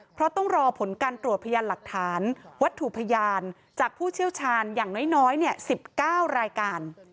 เพราะต้องรอผลการตรวจพยานหลักฐานวัตถุพยานจากผู้เชี่ยวชาญอย่างน้อย๑๙รายการ